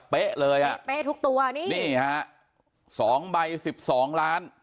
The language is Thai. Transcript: เลยอ่ะเป๊ะทุกตัวนี่นี่ฮะสองใบสิบสองล้าน